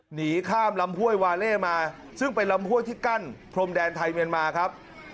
หนีข้ามลำห้วยวาเล่มาซึ่งเป็นลำห้วยที่กั้นพรมแดนไทยเมียนมาครับ